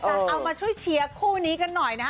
เอามาช่วยเชียร์คู่นี้กันหน่อยนะฮะ